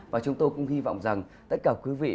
và chúng tôi cũng hy vọng rằng tất cả quý vị